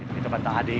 itu tempat tadi